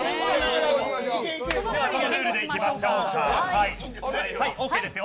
そのルールでいきましょうか。